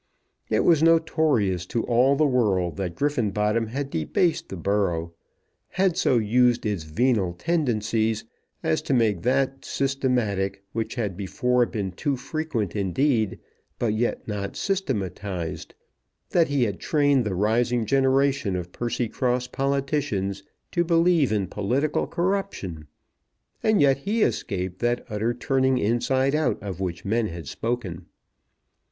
It was notorious to all the world that Griffenbottom had debased the borough; had so used its venal tendencies as to make that systematic which had before been too frequent indeed, but yet not systematized; that he had trained the rising generation of Percycross politicians to believe in political corruption; and yet he escaped that utter turning inside out of which men had spoken.